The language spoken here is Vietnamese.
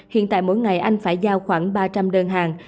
hiện tại mỗi ngày anh phải giao khoảng ba trăm linh đơn hàng